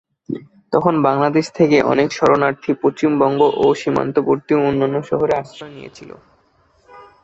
তখন বাংলাদেশ থেকে অনেক শরণার্থী পশ্চিমবঙ্গ ও সীমান্তবর্তী অন্যান্য শহরে আশ্রয় নিয়েছিল।